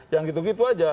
yang gitu gitu aja